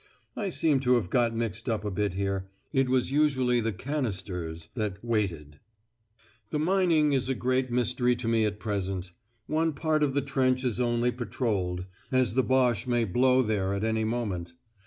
(I seem to have got mixed up a bit here: it was usually the canisters that "waited.") "The mining is a great mystery to me at present. One part of the trench is only patrolled, as the Boche may 'blow' there at any moment.